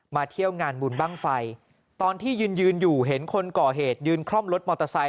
เที่ยวงานบุญบ้างไฟตอนที่ยืนยืนอยู่เห็นคนก่อเหตุยืนคล่อมรถมอเตอร์ไซค